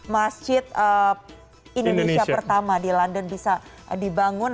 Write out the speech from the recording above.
masjid indonesia pertama di london bisa dibangun